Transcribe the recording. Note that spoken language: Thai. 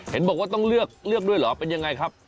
เห็นบอกว่าต้องเลือกเลือกด้วยเหรอเป็นยังไงครับ